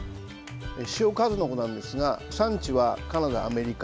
塩かずのこなんですが産地はカナダ、アメリカ。